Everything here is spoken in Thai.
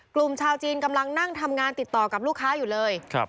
กลุ่มชาวจีนกำลังนั่งทำงานติดต่อกับลูกค้าอยู่เลย